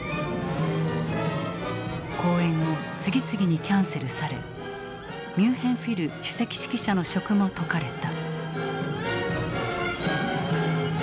公演を次々にキャンセルされミュンヘン・フィル首席指揮者の職も解かれた。